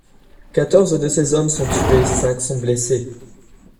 Quatorze de ces hommes sont tués, cinq sont blessés.